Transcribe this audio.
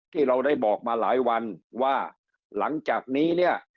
ที่เราได้บอกมาหลายวันว่าหลังจากนี้เนี่ย